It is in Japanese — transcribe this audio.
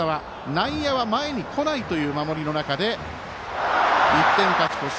内野は前に来ないという守りの中で１点勝ち越し。